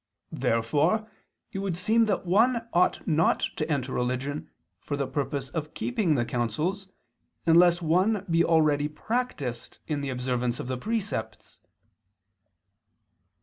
Therefore it would seem that one ought not to enter religion for the purpose of keeping the counsels, unless one be already practiced in the observance of the precepts.